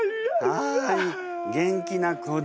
はい元気な子だ。